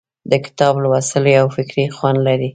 د کتاب لوستل یو فکري خوند لري.